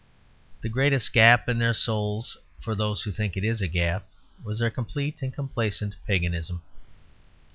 The greatest gap in their souls, for those who think it a gap, was their complete and complacent paganism.